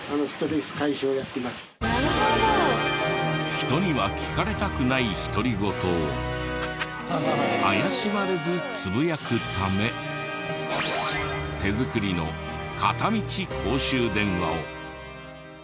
人には聞かれたくない独り言を怪しまれずつぶやくため手作りの片道公衆電話を。